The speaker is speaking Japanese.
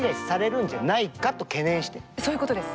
そういうことです。